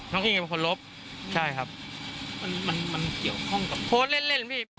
อิงเป็นคนลบใช่ครับมันมันเกี่ยวข้องกับโพสต์เล่นเล่นพี่